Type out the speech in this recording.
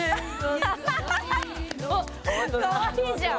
かわいいじゃん。